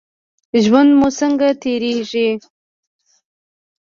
ژوند مو څنګه تیریږي؟